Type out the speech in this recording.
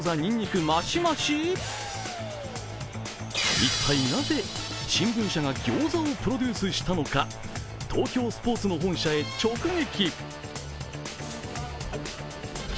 一体なぜ新聞社が餃子をプロデュースしたのか東京スポーツの本社へ直撃。